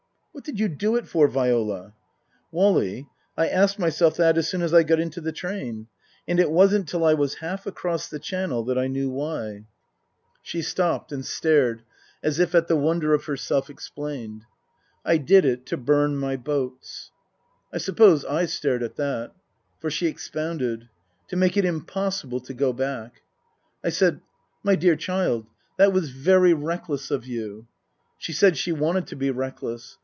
" What did you do it for, Viola ?"" Wally, I asked myself that as soon as I got into the train. And it wasn't till I was half across the Channel that I knew why." Book I : My Book 77 She stopped and stared as if at the wonder of herself explained. " I did it to burn my boats." I suppose / stared at that. For she expounded. " To make it impossible to go back." I said, " My dear child, that was very reckless of you." She said she wanted to be reckless.